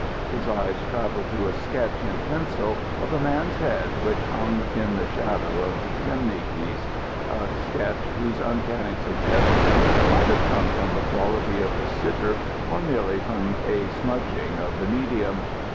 His eyes travelled to a sketch in pencil of a man's head which hung in the shadow of the chimneypiece, a sketch whose uncanny suggestion might have come from the quality of the sitter or merely from a smudging of the medium.